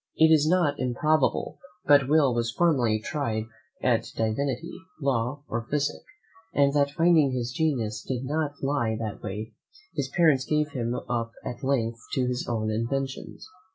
It is not improbable but Will was formerly tried at divinity, law, or physick; and that finding his genius did not lie that way, his parents gave him up at length to his own inventions.